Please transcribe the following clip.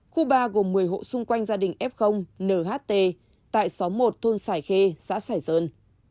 khu ba gồm một mươi hộ xung quanh gia đình f nht tại xóm một thôn sải khê xã sài sơn